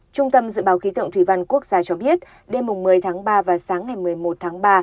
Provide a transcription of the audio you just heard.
trung tâm dự báo khí tượng thủy văn quốc gia cho biết đêm một mươi ba và sáng một mươi một ba